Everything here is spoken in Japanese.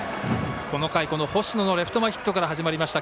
この回、星野のレフト前ヒットから始まりました。